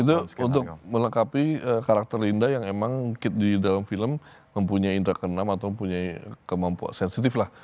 itu untuk melengkapi karakter linda yang emang di dalam film mempunyai indra ke enam atau mempunyai kemampuan sensitif lah